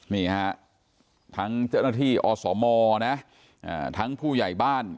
นี่ฮะทั้งเจ้าหน้าที่อสมนะทั้งผู้ใหญ่บ้าน